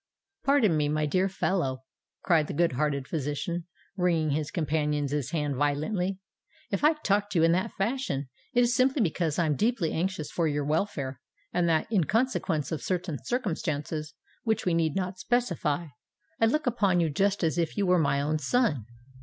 "Pardon me, my dear fellow," cried the good hearted physician, wringing his companion's hand violently. "If I talk to you in that fashion, it is simply because I am deeply anxious for your welfare, and that—in consequence of certain circumstances which we need not specify—I look upon you just as if you were my own son.